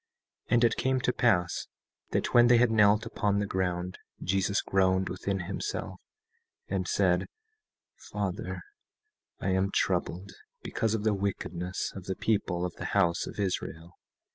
17:14 And it came to pass that when they had knelt upon the ground, Jesus groaned within himself, and said: Father, I am troubled because of the wickedness of the people of the house of Israel.